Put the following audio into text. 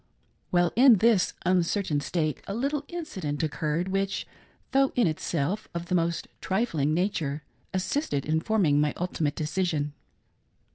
While in this uncertain state a little incident occurred which, though in itself of the most trifling nature, assisted in forming my ultimate decision.